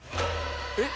えっ？